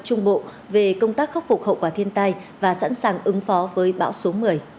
trung bộ về công tác khắc phục hậu quả thiên tai và sẵn sàng ứng phó với bão số một mươi